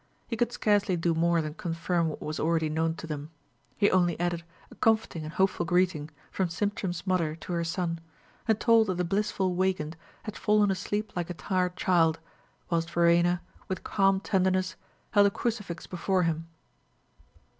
He could scarcely do more than confirm what was already known to them. He only added a comforting and hopeful greeting from Sintram's mother to her son, and told that the blissful Weigand had fallen asleep like a tired child, whilst Verena, with calm tenderness, held a crucifix before him.